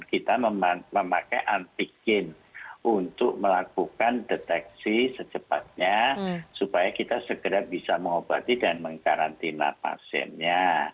kita memakai antigen untuk melakukan deteksi secepatnya supaya kita segera bisa mengobati dan mengkarantina pasiennya